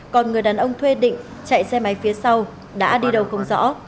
còn người đàn ông thuê định chạy xe máy phía sau đã đi đâu không rõ